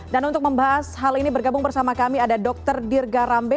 dan untuk membahas hal ini bergabung bersama kami ada dr dirga rambe